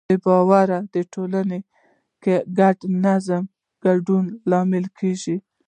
بې باورۍ د ټولنې د ګډ نظم د ګډوډۍ لامل کېږي.